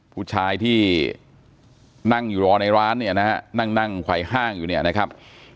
ผู้ชายที่นั่งอยู่รอในร้านเนี่ยนะฮะนั่งนั่งไขว้ห้างอยู่เนี่ยนะครับ